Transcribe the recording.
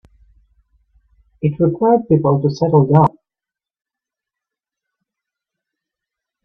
It required people to settle down.